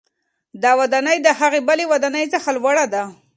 دا ودانۍ د هغې بلې ودانۍ څخه لوړه ده.